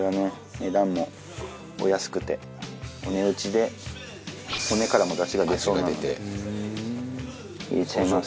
値段もお安くてお値打ちで骨からもだしが出そうなので入れちゃいます。